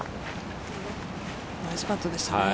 ナイスパットでしたね。